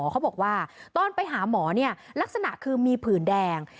เขาบอกว่าตอนไปหาหมอลักษณะคือมีผื่นแดง